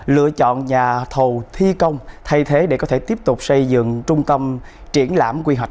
lựa chọn nhà thầu thi công thay thế để có thể tiếp tục xây dựng trung tâm triển lãm quy hoạch